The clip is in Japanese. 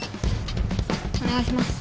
お願いします。